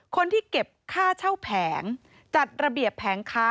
คนที่เก็บค่าเช่าแผงจัดระเบียบแผงค้า